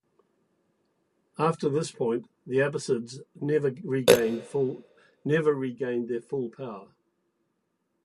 After this point, the Abbasids never regained their full power.